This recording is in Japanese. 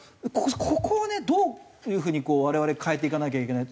ここをねどういう風にこう我々変えていかなきゃいけない。